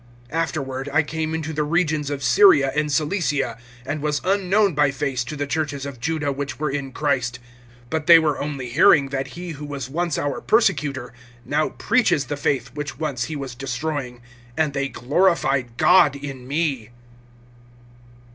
(21)Afterward, I came into the regions of Syria and Cilicia; (22)and was unknown by face to the churches of Juda which were in Christ; (23)but they were only hearing, that he who was once our persecutor now preaches the faith which once he was destroying; (24)and they glorified God in me.